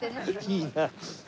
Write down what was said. いいな。